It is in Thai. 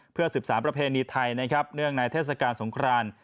เพื่อสืบสารประเพณีไทยนะครับเนื่องในเทศกาลสงคราน